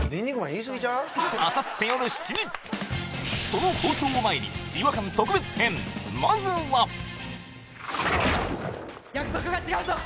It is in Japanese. その放送を前に違和感特別編まずは約束が違うぞ！